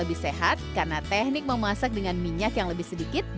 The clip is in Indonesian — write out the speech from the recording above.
lebih sehat karena teknik memasak dengan minyak yang lebih baik dan tidak terlalu keras